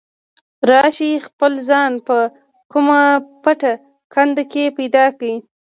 لاړ شئ خپل ځان په کومه پټه کنده کې پیدا کړئ.